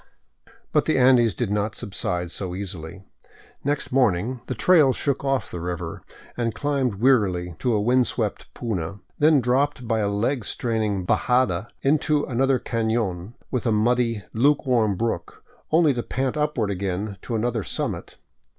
But the Andes did not subside so easily. Next morning the trail 528 ON FOOT ACROSS TROPICAL BOLIVIA shook off the river and dimbed wearily to a wind swept puna, then dropped by a leg straining bajada into another canon with a muddy, lukewarm brook, only to pant upward again to another summit.